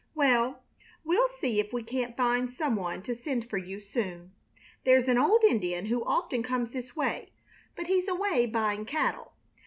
Well, we'll see if we can't find some one to send for you soon. There's an old Indian who often comes this way, but he's away buying cattle.